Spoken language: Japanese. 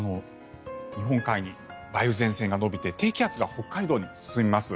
日本海に梅雨前線が延びて低気圧が北海道に進みます。